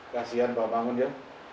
kasian pak mangun ya